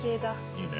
いいね。